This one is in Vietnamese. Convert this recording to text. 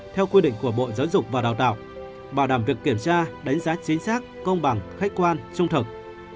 theo quy định của bộ giáo dục và đào tạo bảo đảm việc kiểm tra đánh giá chính xác công bằng khách quan trung thực